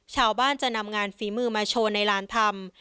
ชาวบ้านจะนำงานฝีมือมาโชว์ในลานธรรม